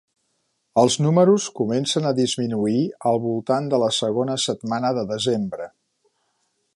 Els números comencen a disminuir al voltant de la segona setmana de desembre.